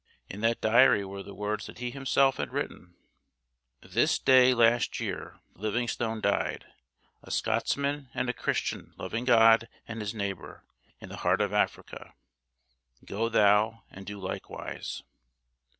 In that diary were the words that he himself had written: "This day last year Livingstone died a Scotsman and a Christian loving God and his neighbour, in the heart of Africa. 'Go thou and do likewise.'"